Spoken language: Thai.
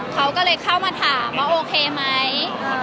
เขาก็เลยเข้ามาถามว่าโอเคไหม